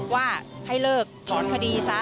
ว่าให้เลิกถอนคดีซะ